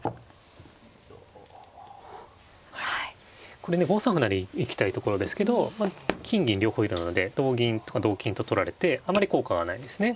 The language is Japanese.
これね５三歩成行きたいところですけど金銀両方いるので同銀とか同金と取られてあまり効果がないですね。